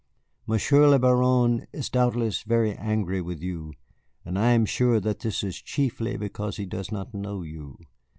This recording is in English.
"Monsieur le Baron is doubtless very angry with you, and I am sure that this is chiefly because he does not know you.